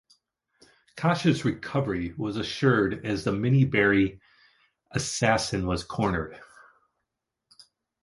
Kosh's recovery was assured as the Minbari assassin was cornered.